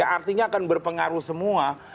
artinya akan berpengaruh semua